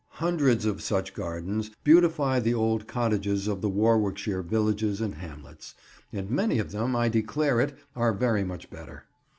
Hundreds of such gardens beautify the old cottages of the Warwickshire villages and hamlets; and many of them, I declare it, are very much better.